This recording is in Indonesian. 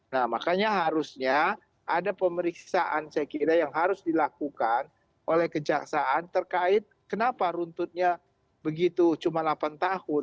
nah makanya harusnya ada pemeriksaan saya kira yang harus dilakukan oleh kejaksaan terkait kenapa runtutnya begitu cuma delapan tahun